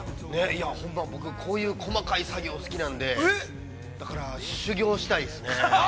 ◆ほんま、僕、こういう細かい作業が好きなんで、だから、修業したいですね。